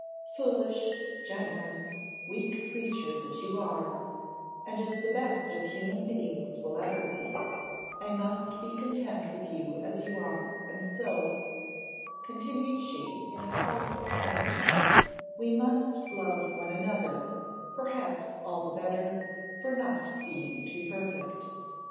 Foolish, generous, weak creature that you are, and as the best of human beings will ever be I must be content with you as you are; and so," continued she, in a playful tone, "we must love one another, perhaps all the better, for not being too perfect.